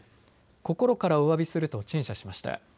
心からおわびすると陳謝しました。